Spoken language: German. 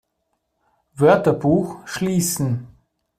Wörterbuch schließen!